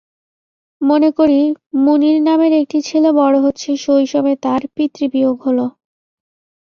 মনে করি, মুনির নামের একটি ছেলে বড় হচ্ছে শৈশবে তার পিতৃবিয়োগ হল।